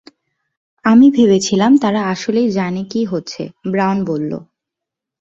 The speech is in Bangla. আমি ভেবেছিলাম তারা আসলেই জানে কি হচ্ছে, ব্রাউন বললো।